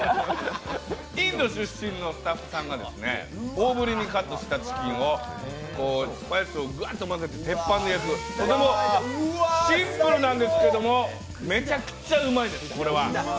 インド出身のスタッフさんが大ぶりにカットしたチキンをスパイスをぐわっと混ぜて鉄板で焼くとてもシンプルなんですけど、めちゃくちゃうまいです、これは。